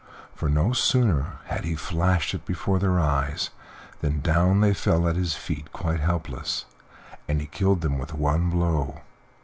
For, no sooner had he flashed it before their eyes than down they fell at his feet quite helpless, and he killed them with one blow.